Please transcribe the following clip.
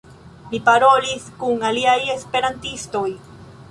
Mi parolis kun aliaj Esperantistoj